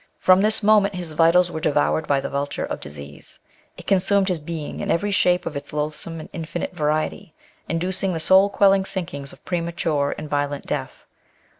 From this moment his vitals were devoured by the vulture of disease. It con sumed his being in every shape of its loathsome and infinite variety, inducing the soul quelling sinkings of premature and violent death.